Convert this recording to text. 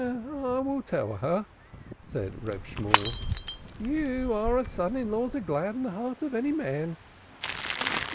"I will tell her," said Reb Shemuel. "You are a son in law to gladden the heart of any man.